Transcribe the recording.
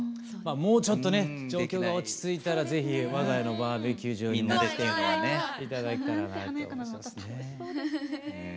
もうちょっとね状況が落ち着いたら是非わが家のバーベキュー場に。なんて華やかなまた楽しそうですね。